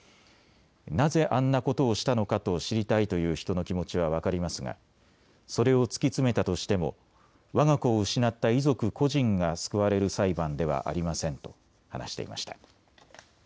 なぜあんなことをしたのかと知りたいという人の気持ちは分かりますがそれを突き詰めたとしてもわが子を失った遺族個人が救われる裁判ではありませんと話していました。